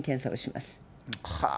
はあ。